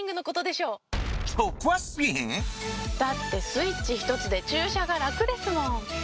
だってスイッチひとつで駐車が楽ですもん。